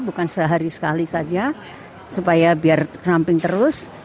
bukan sehari sekali saja supaya biar ramping terus